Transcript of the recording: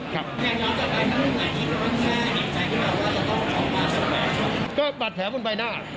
ก็นั่นตามปัดแผลบนใบหน้า